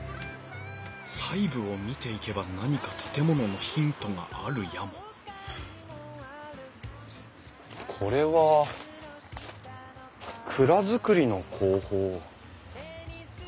細部を見ていけば何か建物のヒントがあるやもこれは蔵造りの工法。